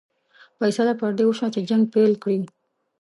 فیصله پر دې وشوه چې جنګ پیل کړي.